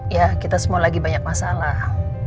ya kita semua lagi banyak masalah